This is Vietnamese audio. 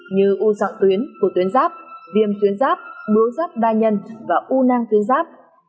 như u sọng tuyến của tuyến giáp viêm tuyến giáp bướu giáp đa nhân và u năng tuyến giáp